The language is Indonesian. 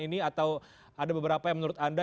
ini atau ada beberapa yang menurut anda